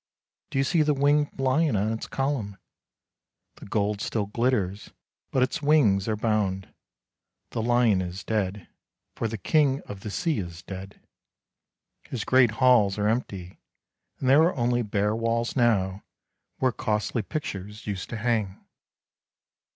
Do you see the winged lion on its column ? The gold still glitters, but its wings are bound; the Hon is dead, for the king of the sea is dead; his great halls are empty, and there are only bare walls now where costly pictures used to hang.